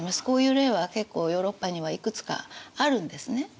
こういう例は結構ヨーロッパにはいくつかあるんですね。